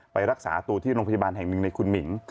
ไปรักษาตัวที่โรงพยาบาลแห่งหนึ่งในคุณหมิง